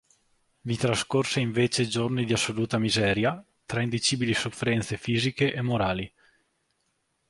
Vi trascorse invece giorni di assoluta miseria, tra indicibili sofferenze fisiche e morali.